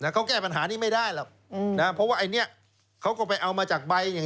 เขาแก้ปัญหานี้ไม่ได้หรอกเพราะว่าอันนี้เขาก็ไปเอามาจากใบเนี่ย